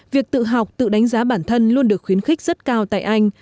việc tự học tự đánh giá bản thân luôn được khuyến khích rất cao tại anh